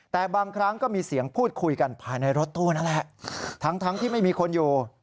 แต่บางครั้งก็มีเสียงพูดคุยกันภายในรถตู้นั่นแหละทั้งทั้งที่ไม่มีคนอยู่